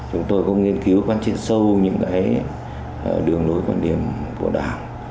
chúng tôi cũng nghiên cứu quan trị sâu những cái đường đối quan điểm của đảng